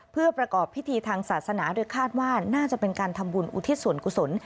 เพื่อประกอบพิธีทางศาสนาโดยคาดว่าน่าจะเป็นการทำบุญอุทิศส่วนกุศล